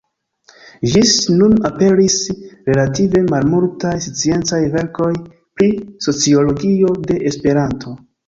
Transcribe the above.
Ĝis nun aperis relative malmultaj sciencaj verkoj pri sociologio de Esperanto.